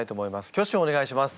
挙手をお願いします。